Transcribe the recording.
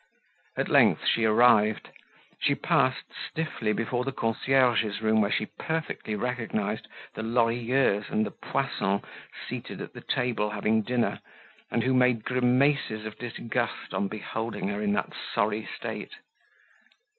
At length she arrived, she passed stiffly before the concierge's room where she perfectly recognized the Lorilleuxs and the Poissons seated at the table having dinner, and who made grimaces of disgust on beholding her in that sorry state.